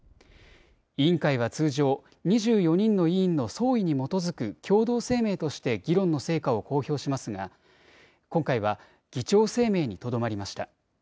委員会は通常、２４人の委員の総意に基づく共同声明として議論の成果を公表しますが今回は議長声明にとどまりました。